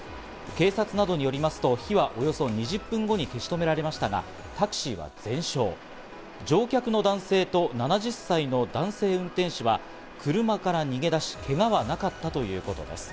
警察などによりますと、火はおよそ２０分後に消し止められましたが、タクシーは全焼、乗客の男性と７０歳の男性運転手は車から逃げ出し、けがはなかったということです。